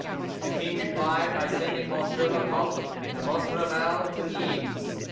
The king replied by sending M. le Comte de Montrevel to Nimes.